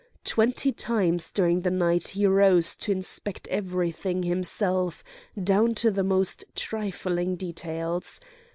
Twenty times during the night he rose to inspect everything himself, down to the most trifling details.